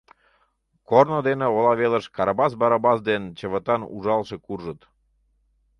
Корно дене ола велыш Карабас Барабас ден чывытан ужалыше куржыт.